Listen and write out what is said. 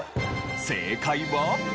正解は。